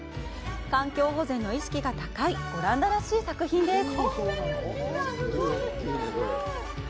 環境保全の意識が高いオランダらしい作品です。